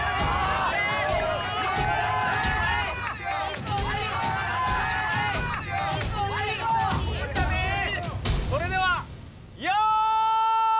はーいそれでは用意